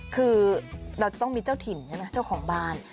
คือเราต้องมีเจ้าถิ่นใช่ไหมเจ้าของบ้าน